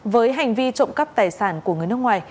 với hành vi trộm cắp tài sản của người nước ngoài